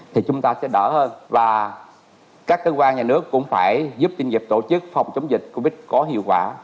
thì chúng ta sẽ đỡ hơn và các cơ quan nhà nước cũng phải giúp doanh nghiệp tổ chức phòng chống dịch covid có hiệu quả